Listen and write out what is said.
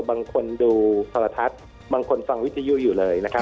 บางคนดูสารทัศน์บางคนฟังวิทยุอยู่เลย